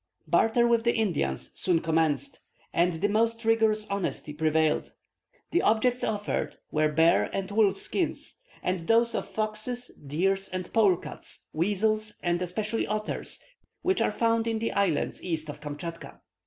Barter with the Indians soon commenced, and the most rigorous honesty prevailed. The objects offered were bear and wolf skins, and those of foxes, deers, and polecats, weasels, and especially otters, which are found in the islands east of Kamschatka.